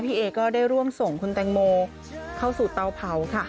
เอก็ได้ร่วมส่งคุณแตงโมเข้าสู่เตาเผาค่ะ